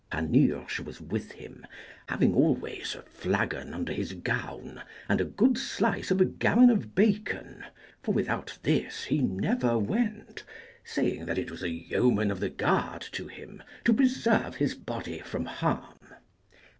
Panurge was with him, having always a flagon under his gown and a good slice of a gammon of bacon; for without this he never went, saying that it was as a yeoman of the guard to him, to preserve his body from harm.